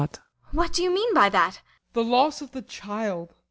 ] What do you mean by that? BORGHEIM. The loss of the child.